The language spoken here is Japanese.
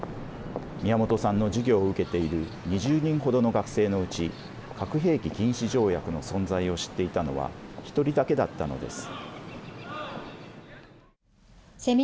宮本さんの授業を受けている２０人ほどの学生のうち核兵器禁止条約の存在を知っていたのは１人だけだったのです。